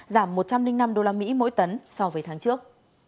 giảm một trăm linh năm usd mỗi tấn so với tháng trước